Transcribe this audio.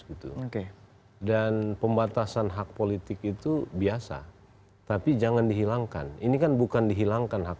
itu oke dan pembatasan hak politik itu biasa tapi jangan dihilangkan ini kan bukan dihilangkan hak